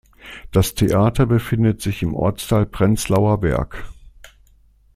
Das Theater befindet sich im Ortsteil Prenzlauer Berg.